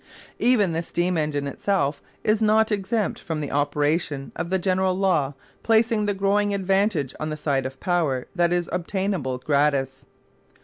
Even the steam engine itself is not exempt from the operation of the general law placing the growing advantage on the side of power that is obtainable gratis.